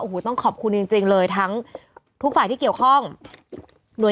โอ้โหต้องขอบคุณจริงเลยทั้งทุกฝ่ายที่เกี่ยวข้องหน่วย